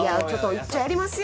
いっちょやりますよ